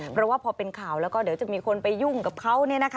เพราะว่าพอเป็นข่าวแล้วก็เดี๋ยวจะมีคนไปยุ่งกับเขา